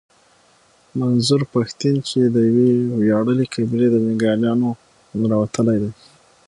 منظور پښتين چې د يوې وياړلې قبيلې د جنګياليانو نه راوتلی دی.